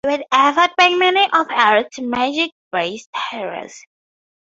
The moon is repaired with effort by many of Earth's magic-based heroes.